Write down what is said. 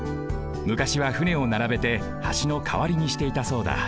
むかしは船をならべて橋のかわりにしていたそうだ。